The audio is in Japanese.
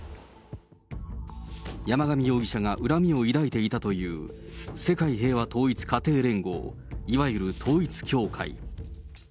山上容疑者が恨みを抱いていたという、世界平和統一家庭連合、いわゆる統一教会。